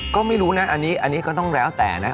ก็ไม่รู้นะอันนี้ก็ต้องแล้วแต่นะ